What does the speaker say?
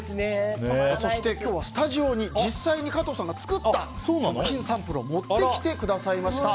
そして今日はスタジオに実際に加藤さんが作った食品サンプルを持ってきてくださいました。